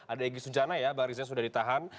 ada egy sujana ya barisnya sudah ditahan